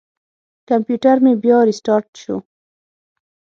کمپیوټر مې بیا ریستارټ شو.